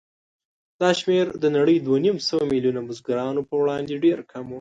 دا شمېر د نړۍ دوهنیمسوه میلیونه بزګرانو په وړاندې ډېر کم و.